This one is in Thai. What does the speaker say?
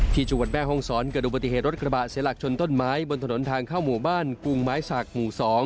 ที่จังหวัดแม่ห้องศรเกิดอุบัติเหตุรถกระบะเสียหลักชนต้นไม้บนถนนทางเข้าหมู่บ้านกรุงไม้สักหมู่๒